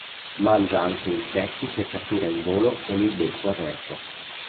Mangia anche insetti che cattura in volo con il becco aperto.